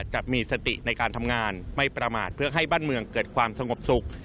จะมีสติในการทำงานไม่ประมาทเพื่อให้บ้านเมืองเกิดความสงบสุข